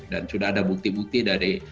dan sudah ada bukti bukti dari